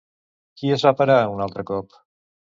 Qui es va parar un altre cop?